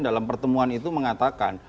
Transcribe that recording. dalam pertemuan itu mengatakan